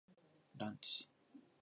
ランチ